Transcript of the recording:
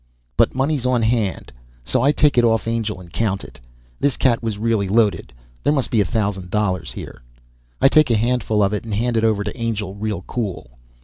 But money's on hand, so I take it off Angel and count it. This cat was really loaded; there must be a thousand dollars here. I take a handful of it and hand it over to Angel real cool.